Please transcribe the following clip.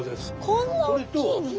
こんな大きいの？